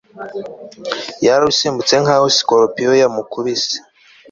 yararusimbutse nkaho sikorupiyo yamukubise